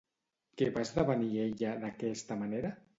Què va esdevenir ella d'aquesta manera?